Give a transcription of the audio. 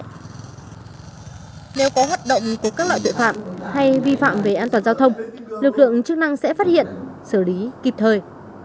nếu có hoạt động của các loại tội phạm hay vi phạm về an toàn giao thông lực lượng chức năng sẽ phát hiện xử lý kịp thời